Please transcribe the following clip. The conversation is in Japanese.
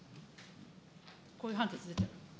こういう判決出てる。